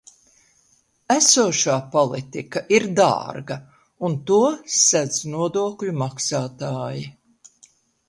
Esošā politika ir dārga, un to sedz nodokļu maksātāji.